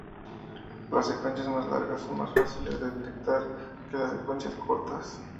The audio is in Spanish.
Las secuencias más largas son más fáciles de detectar que las secuencias cortas.